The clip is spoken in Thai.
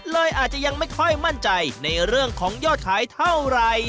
เลยอาจจะยังไม่ค่อยมั่นใจในเรื่องของยอดขายเท่าไหร่